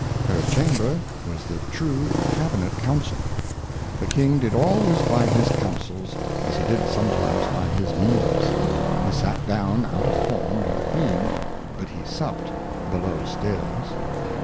Her Chamber was the true Cabinet Council. The King did always by his Councils, •: as he did sometimes by his Meals ; he sat down out of form with the Queen, but he supped below Stairs.